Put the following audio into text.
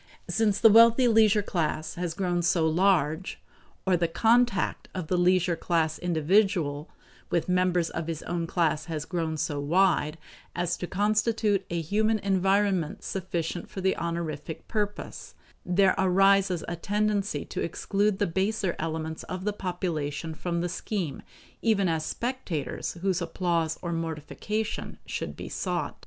Since the wealthy leisure class has grown so large, or the contact of the leisure class individual with members of his own class has grown so wide, as to constitute a human environment sufficient for the honorific purpose, there arises a tendency to exclude the baser elements of the population from the scheme even as spectators whose applause or mortification should be sought.